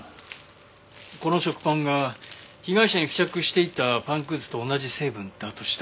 この食パンが被害者に付着していたパンくずと同じ成分だとしたら。